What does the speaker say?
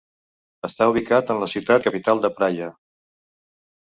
Està ubicat en la ciutat capital de Praia.